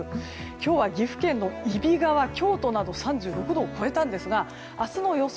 今日は岐阜県の揖斐川や京都などで３６度を超えたんですが明日の予想